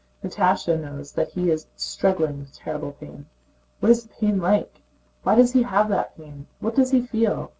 Natásha knows that he is struggling with terrible pain. "What is that pain like? Why does he have that pain? What does he feel?